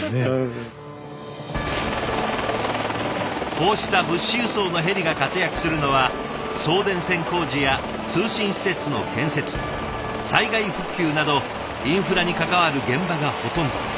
こうした物資輸送のヘリが活躍するのは送電線工事や通信施設の建設災害復旧などインフラに関わる現場がほとんど。